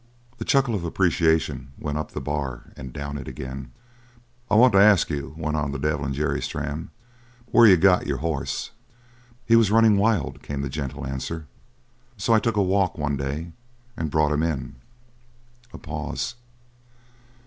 The chuckle of appreciation went up the bar and down it again. "I want to ask you," went on the devil in Jerry Strann, "where you got your hoss?" "He was running wild," came the gentle answer. "So I took a walk, one day, and brought him in." A pause.